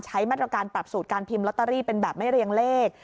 ใช้มาตรการปรับสูตรการพิมพ์ลอตเตอรี่เป็นแบบไม่เรียงเลข